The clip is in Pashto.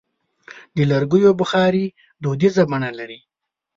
د لرګیو بخاري دودیزه بڼه لري.